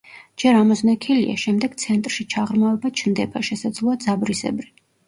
ჯერ ამოზნექილია, შემდეგ ცენტრში ჩაღრმავება ჩნდება, შესაძლოა ძაბრისებრი.